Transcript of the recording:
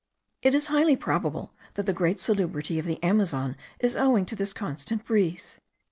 It is highly probable that the great salubrity of the Amazon is owing to this constant breeze.